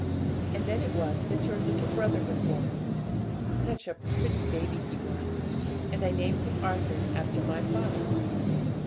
'And then it was that your little brother was born. Such a pretty baby he was, and I named him Arthur after my father.